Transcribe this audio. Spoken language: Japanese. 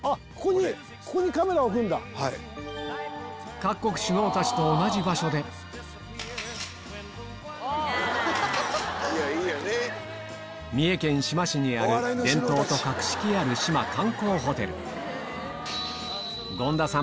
各国首脳たちと同じ場所で三重県志摩市にある伝統と格式ある志摩観光ホテル権田さん